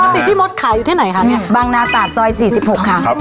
ปกติพี่มดขายอยู่ที่ไหนค่ะเนี้ยบางนาตาซอยสี่สิบหกค่ะครับ